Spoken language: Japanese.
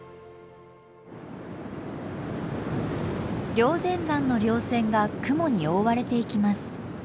霊仙山のりょう線が雲に覆われていきます。